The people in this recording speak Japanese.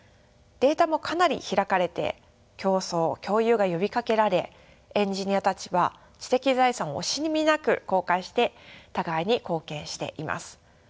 データもかなり開かれて共創共有が呼びかけられエンジニアたちは知的財産を惜しみなく公開して互いに貢献しています。